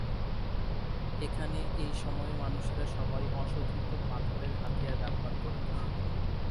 এখানে এই সময়ে মানুষেরা সবাই অশোধিত পাথর এর হাতিয়ার ব্যবহার করত।